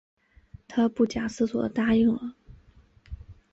她不假思索地答应了